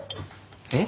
えっ？